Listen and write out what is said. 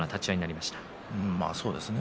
まあ、そうですね。